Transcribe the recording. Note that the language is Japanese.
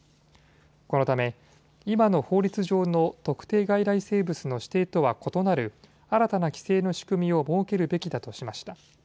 このため今の法律上の特定外来生物の指定とは異なる、新たな規制の仕組みを設けるべきだとしました。